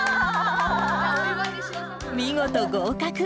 見事、合格。